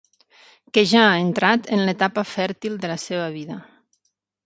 Que ja ha entrat en l'etapa fèrtil de la seva vida.